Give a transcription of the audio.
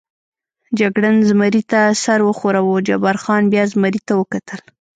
جګړن زمري ته سر و ښوراوه، جبار خان بیا زمري ته وکتل.